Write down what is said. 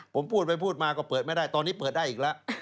ผมพูดไปพูดมาก็เปิดไม่ได้ตอนนี้เปิดได้อีกแล้ว